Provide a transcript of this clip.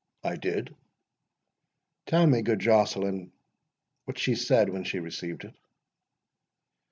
"I did." "Tell me, good Joceline, what she said when she received it?"